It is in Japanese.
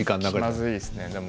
気まずいですね。